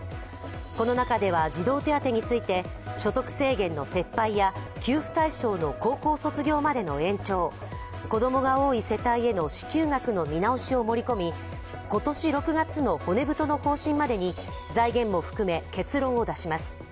この中では、児童手当について所得制限の撤廃や給付対象の高校卒業までの延長、子供が多い世帯への支給額の見直しを盛り込み今年６月の骨太の方針のまでに財源も含め結論を出します。